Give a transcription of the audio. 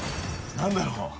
何だろう？